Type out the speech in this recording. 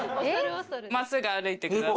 まっすぐ歩いてください。